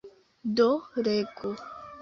Do, legu!